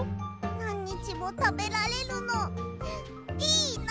なんにちもたべられるのいいなって。